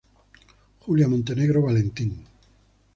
Julia Montenegro Valentín.